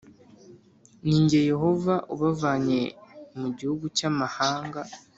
Ni jye Yehova ubavanye mu gihugu cyamahanga